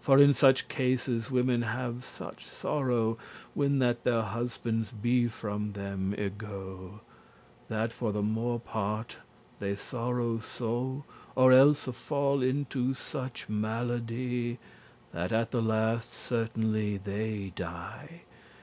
For in such cases women have such sorrow, When that their husbands be from them y go*, *gone That for the more part they sorrow so, Or elles fall into such malady, That at the laste certainly they die.